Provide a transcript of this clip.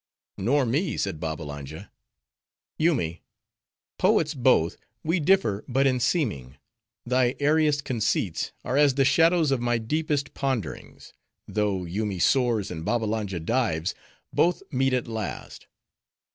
"Nor me," said Babbalanja. "Yoomy: poets both, we differ but in seeming; thy airiest conceits are as the shadows of my deepest ponderings; though Yoomy soars, and Babbalanja dives, both meet at last.